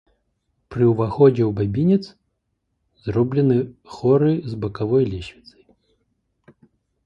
Пры ўваходзе ў бабінец зроблены хоры з бакавой лесвіцай.